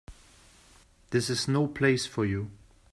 This is no place for you.